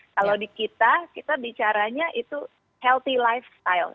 kalau di kita kita bicaranya itu lifestyle yang sehat